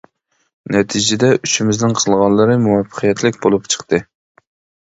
نەتىجىدە ئۈچىمىزنىڭ قىلغانلىرى مۇۋەپپەقىيەتلىك بولۇپ چىقتى.